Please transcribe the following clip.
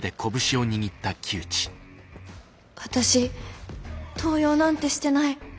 私盗用なんてしてない。